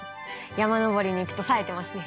山登りに行くとさえてますね。